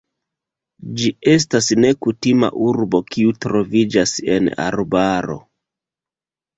Ĝi estas nekutima urbo, kiu troviĝas en arbaro.